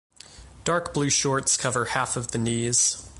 Dark blue shorts cover half of the knees.